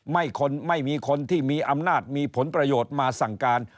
ไม่มีคนที่มีอำนาจมีผลประโยชน์มาสั่งการ